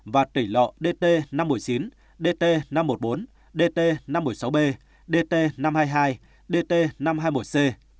và tỷ lọ dt năm trăm một mươi chín dt năm trăm một mươi bốn dt năm trăm một mươi sáu b dt năm trăm hai mươi hai dt năm trăm hai mươi một c